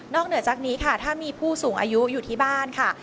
เหนือจากนี้ค่ะถ้ามีผู้สูงอายุอยู่ที่บ้านค่ะ